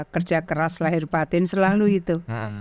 kerja keras lahir batin selalu itu